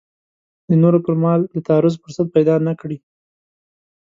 د نورو پر مال د تعرض فرصت پیدا نه کړي.